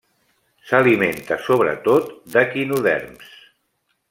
S'alimenta sobretot d'equinoderms.